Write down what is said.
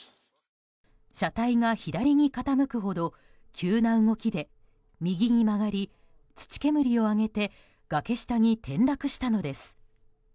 車体が左に傾くほど急な動きで右に曲がり土煙を上げて崖下に転落したのです。